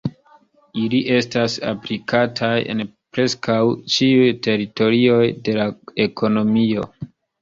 Ili estas aplikataj en preskaŭ ĉiuj teritorioj de la ekonomio.